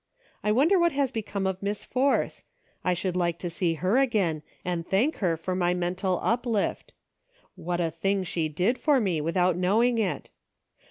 I wonder what has become of Miss Force .• I should like to see her again, and thank her for my mental uplift. What a thing she did for me, without knowing it